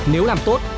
nếu làm tốt